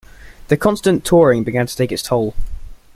The constant touring began to take its toll.